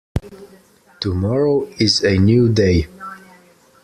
Tomorrow is a new day.